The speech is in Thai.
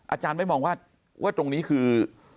อาจารย์ไม่มองว่าตรงนี้คือ